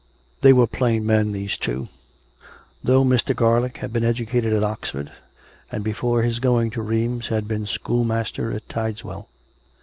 They were plain men, these two; though Mr. Garlick had been educated at Oxford, and, before his going to Rheims, had been schoolmaster at Tideswell.